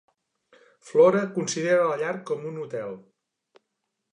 Flore considera la llar com un hotel.